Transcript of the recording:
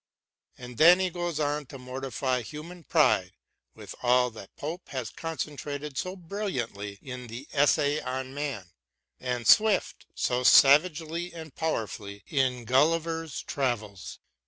And then he goes on to mortify human pride with all that Pope has concentrated so brilliantly in the " Essay on Man " and Swift so savagely and powerfully in " Gulliver's Travels."